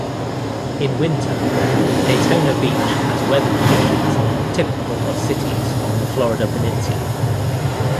In winter, Daytona Beach has weather conditions typical of cities on the Florida peninsula.